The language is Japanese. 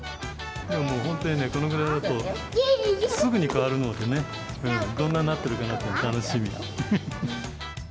本当にこれぐらいだと、すぐに変わるのでね、どんななってるかなって楽しみ。